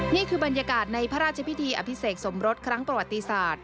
นี่คือบรรยากาศในพระราชพิธีอภิเษกสมรสครั้งประวัติศาสตร์